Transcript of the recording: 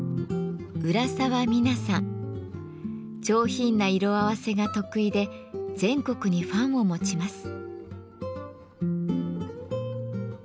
上品な色合わせが得意で全国にファンを持ちます。